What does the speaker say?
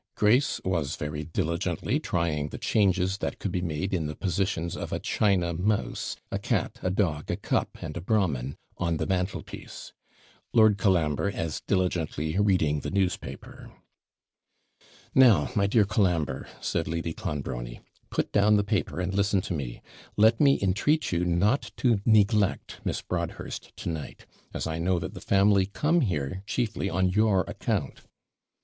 Grace was very diligently trying the changes that could be made in the positions of a china mouse, a cat, a dog, a cup, and a Brahmin, on the mantelpiece; Lord Colambre as diligently reading the newspaper. 'Now, my dear Colambre,' said Lady Clonbrony, 'put down the paper, and listen to me. Let me entreat you not to neglect Miss Broadhurst to night, as I know that the family come here chiefly on your account.'